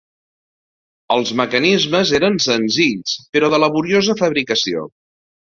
Els mecanismes eren senzills però de laboriosa fabricació.